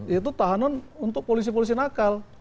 yaitu tahanan untuk polisi polisi nakal